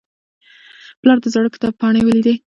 پلار د زاړه کتاب پاڼې ولیدې.